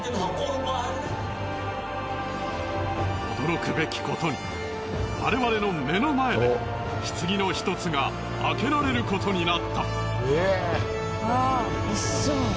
驚くべきことに我々の目の前で棺の１つが開けられることになった。